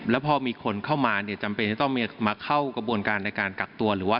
แล้วพอมีคนเข้ามาเนี่ยจำเป็นจะต้องมาเข้ากระบวนการในการกักตัวหรือว่า